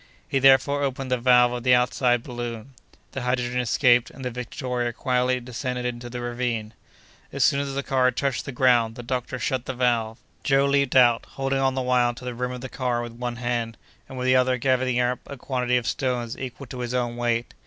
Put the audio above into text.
He therefore opened the valve of the outside balloon. The hydrogen escaped, and the Victoria quietly descended into the ravine. As soon as the car touched the ground, the doctor shut the valve. Joe leaped out, holding on the while to the rim of the car with one hand, and with the other gathering up a quantity of stones equal to his own weight.